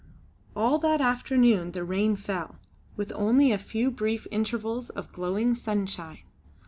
All that afternoon the rain fell, with only a few brief intervals of glowing sunshine.